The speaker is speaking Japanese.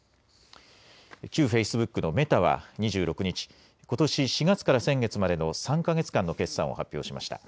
旧フェイスブックのメタは２６日、ことし４月から先月までの３か月間の決算を発表しました。